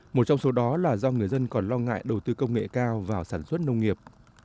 một trong số đó là do người dân còn lo ngại đầu tư công nghệ cao vào sản xuất nông nghiệp